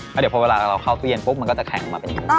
เพราะเดี๋ยวพอเวลาเราเข้าตู้เย็นปุ๊บมันก็จะแข็งมาเป็นอย่างนี้